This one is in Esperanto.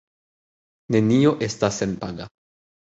Nenio estas senpaga.